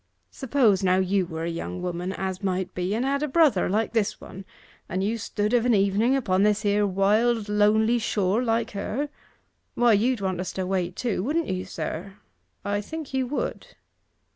Suppose, now, you were a young woman, as might be, and had a brother, like this one, and you stood of an evening upon this here wild lonely shore, like her, why you'd want us to wait, too, wouldn't you, sir? I think you would.